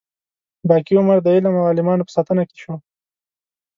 باقي عمر د علم او عالمانو په ساتنه کې شو.